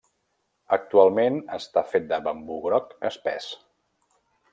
Actualment està fet de bambú groc espès.